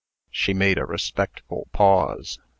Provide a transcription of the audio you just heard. She made a respectful pause.